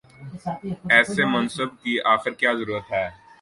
ایسے منصب کی آخر کیا ضرورت ہے؟